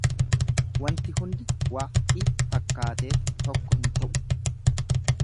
Waanti hundi wai fakkaateef tokko hin ta'u.